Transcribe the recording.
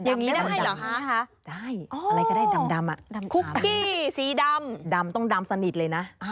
ให้เหรอฮะ๙ได้อะไรก็ได้ดำดำอะระได้คุกกี้สีดำดำต้องดำสนิทเลยนะ